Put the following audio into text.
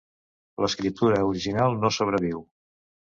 L'escriptura original no sobreviu.